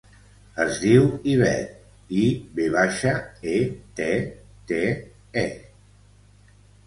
Es diu Ivette: i, ve baixa, e, te, te, e.